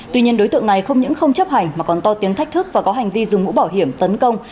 tuy nhiên đối tượng này không những không chấp hành mà còn to tiếng thách thức và có hành vi dùng mũ bảo hiểm tấn công